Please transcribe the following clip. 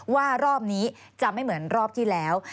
ว่ารอบนี้จะไม่เหมือนรอบที่แล้ว